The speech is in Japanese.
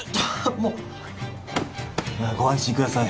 もうまあご安心ください